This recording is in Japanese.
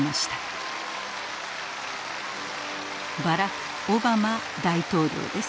バラク・オバマ大統領です。